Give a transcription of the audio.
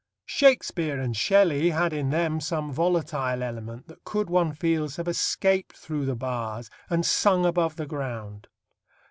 Shakespeare and Shelley had in them some volatile element that could, one feels, have escaped through the bars and sung above the ground.